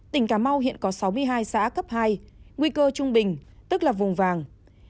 tỉnh cà mau hiện có sáu mươi hai xã cấp hai nguy cơ trung bình tức là vùng vàng